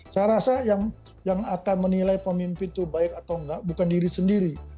saya rasa yang akan menilai pemimpin itu baik atau enggak bukan diri sendiri